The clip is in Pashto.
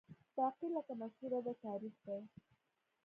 باقي لکه مشهوره ده تاریخ دی